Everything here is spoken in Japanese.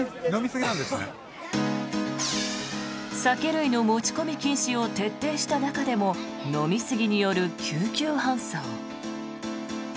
酒類の持ち込み禁止を徹底した中でも飲みすぎによる救急搬送。